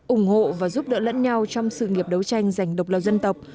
ủng hộ và giúp đỡ lẫn nhau trong sự nghiệp đấu tranh giành độc lập dân tộc